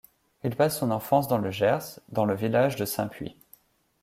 Il passe son enfance dans le Gers, dans le village de Saint-Puy.